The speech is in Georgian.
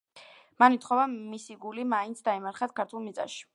მან ითხოვა, მისი გული მაინც დაემარხათ ქართულ მიწაში.